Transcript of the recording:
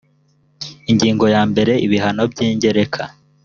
ingingo ya mbere ibihano by’ingereka